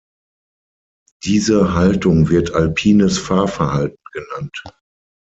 Diese Haltung wird alpines Fahrverhalten genannt.